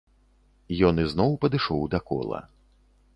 Ён ізноў падышоў да кола.